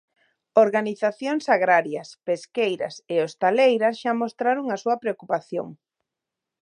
Organizacións agrarias, pesqueiras e hostaleiras xa mostraron a súa preocupación.